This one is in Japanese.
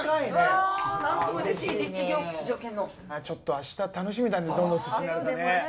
ちょっと明日楽しみだね